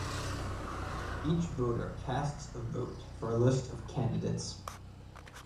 Each voter casts a vote for a list of candidates.